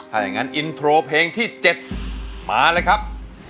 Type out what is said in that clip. ถ้าอย่างนั้นอินโทรเพลงที่๗มาเลยครับ